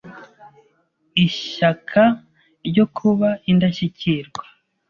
ishyaka ryo kuba indashyikirwa.